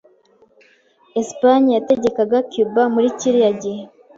Espagne yategekaga Cuba muri kiriya gihe.